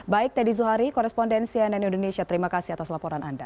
baik teddy zuhari koresponden cnn indonesia terima kasih atas laporan anda